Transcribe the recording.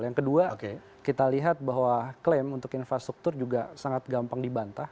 yang kedua kita lihat bahwa klaim untuk infrastruktur juga sangat gampang dibantah